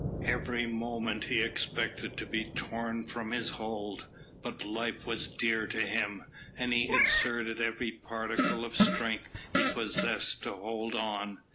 Every moment he expected to be torn from his hold; but life was dear to him, and he exerted every particle of strength he possessed to hold on.